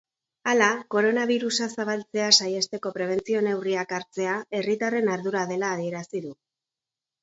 Hala, koronabirusa zabaltzea saihesteko prebentzio neurriak hartzea herritarren ardura dela adierazi du.